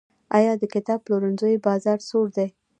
آیا د کتاب پلورنځیو بازار سوړ دی؟